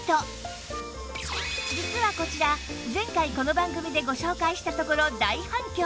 実はこちら前回この番組でご紹介したところ大反響！